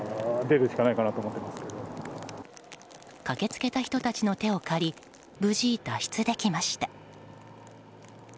駆けつけた人たちの手を借り無事、脱出できました。